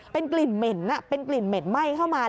เป็นกลิ่นเหม็นไหม้เข้ามา